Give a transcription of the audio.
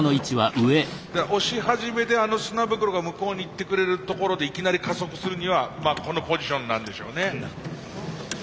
押し始めであの砂袋が向こうにいってくれるところでいきなり加速するにはこのポジションなんでしょうね。